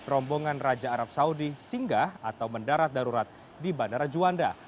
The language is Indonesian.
rombongan raja arab saudi singgah atau mendarat darurat di bandara juanda